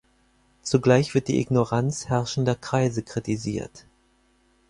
Zugleich wird die Ignoranz herrschender Kreise kritisiert.